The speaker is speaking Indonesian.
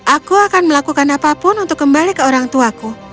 aku akan melakukan apapun untuk kembali ke orang tuaku